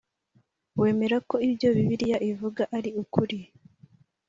wemera ko ibyo Bibiliya ivuga ari ukuri?